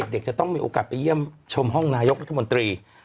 เด็กจะต้องมีโอกาสไปเยี่ยมชมห้องนายกรัฐมนตรี